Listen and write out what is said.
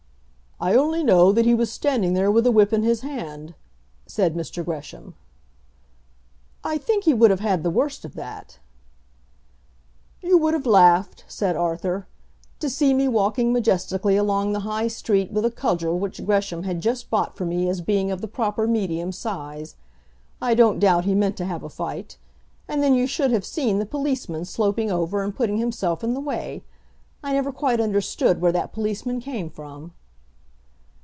"I only know that he was standing there with a whip in his hand," said Mr. Gresham. "I think he would have had the worst of that." "You would have laughed," said Arthur, "to see me walking majestically along the High Street with a cudgel which Gresham had just bought for me as being of the proper medium size. I don't doubt he meant to have a fight. And then you should have seen the policeman sloping over and putting himself in the way. I never quite understood where that policeman came from."